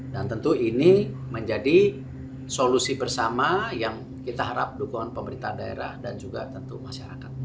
tentu ini menjadi solusi bersama yang kita harap dukungan pemerintah daerah dan juga tentu masyarakat